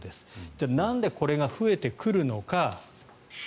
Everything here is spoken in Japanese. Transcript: じゃあ、なんでこれが増えてくるのか。